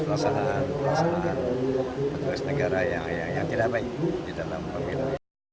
pelaksanaan petugas negara yang tidak baik di dalam pemilu